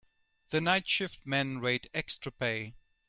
The night shift men rate extra pay.